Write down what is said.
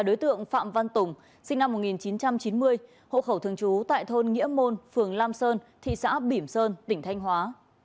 đối tượng phạm văn tùng sinh năm một nghìn chín trăm chín mươi hộ khẩu thường trú tại thôn nghĩa môn phường lam sơn thị xã bỉm sơn tỉnh thanh hóa